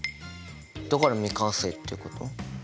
だから未完成ってこと？